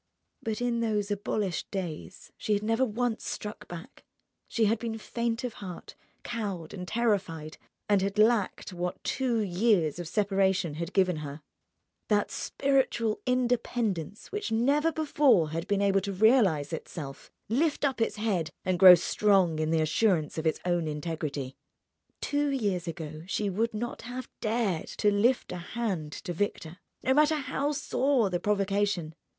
But in those abolished days she had never once struck back, she had been faint of heart, cowed and terrified, and had lacked what two years of separation had given her, that spiritual independence which never before had been able to realize itself, lift up its head, and grow strong in the assurance of its own integrity. Two years ago she would not have dared to lift a hand to Victor, no matter how sore the provocation.